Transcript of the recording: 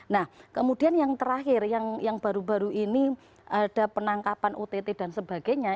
nah kemudian yang terakhir yang baru baru ini ada penangkapan ott dan sebagainya